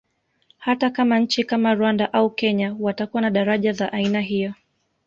Hata kama nchi kama Rwanda au Kenya watakuwa na daraja za aina hiyo